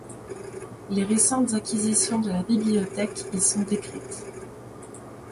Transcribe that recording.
Les récentes acquisitions de la bibliothèque y sont décrites.